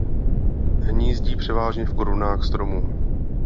Hnízdí převážně v korunách stromů.